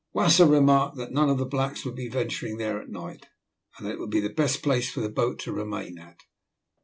Wasser remarked that none of the blacks would be venturing there at night, and that it would be the best place for the boat to remain at.